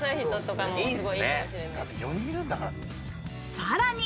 さらに。